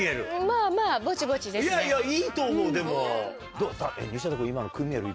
いやいやいいと思うでも。